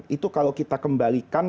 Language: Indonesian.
itu kalau kita kembalikan